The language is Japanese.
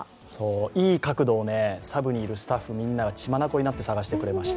いい角度をサブにいるスタッフが血まなこになって探してくれました。